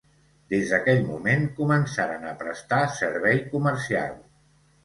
Des d'aquell moment començaren a prestar servei comercial.